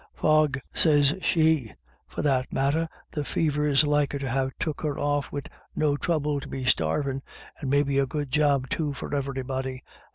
' Faugh !' sez she ;' for that matter, the fever's liker to have took her off wid no throu ble to be starvin', and maybe a good job too for everybody.'